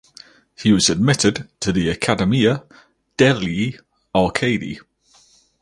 He was admitted to the Accademia degli Arcadi.